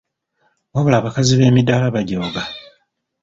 Wabula abakazi b’emidaala bajooga.